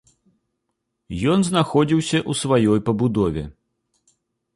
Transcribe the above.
Ён знаходзіўся ў сваёй пабудове.